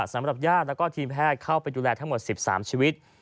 สำหรับญาติและทีมแพทย์เข้าไปดูแลทั้งหมด๑๓ชีวิต